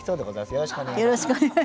よろしくお願いします。